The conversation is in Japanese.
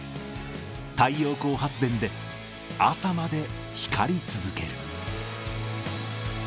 太陽光発電で、朝まで光り続ける。